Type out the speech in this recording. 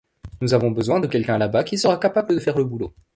Nous avons besoin de quelqu'un là-bas qui sera capable de faire le boulot.